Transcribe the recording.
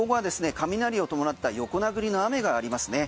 雷を伴った横殴りの雨がありますね。